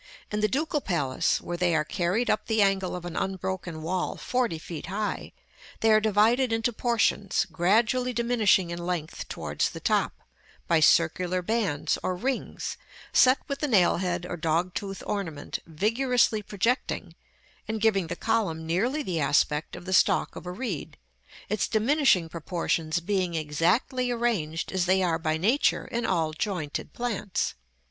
In the Ducal Palace, where they are carried up the angle of an unbroken wall forty feet high, they are divided into portions, gradually diminishing in length towards the top, by circular bands or rings, set with the nail head or dog tooth ornament, vigorously projecting, and giving the column nearly the aspect of the stalk of a reed; its diminishing proportions being exactly arranged as they are by Nature in all jointed plants.